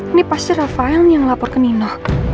ini pasti rafael nih yang lapor ke nino